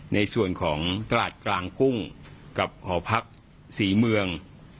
ในส่วนของตลาดกลางกุ้งกับหอพักศรีเมือง